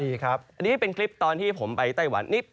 เป็นคลิปมาเมื่อกี้ที่ผมไปไตตายวัน